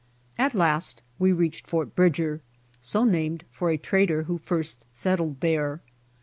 At LAST we reached Fort Bridger, so named for a trader who first settled there.